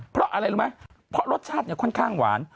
เพราะอะไรรู้ไหมเพราะรสชาติเนี่ยค่อนข้างหวาน